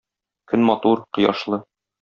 Көн матур, кояшлы.